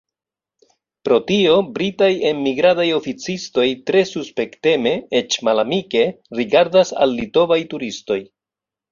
Pro tio britaj enmigradaj oficistoj tre suspekteme, eĉ malamike, rigardas al litovaj turistoj.